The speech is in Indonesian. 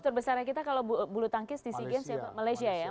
struktur besarnya kita kalau bulu tangkis di sikim malaysia ya